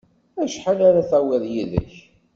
Acḥal ara d-tawiḍ yid-k?